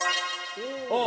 ああ！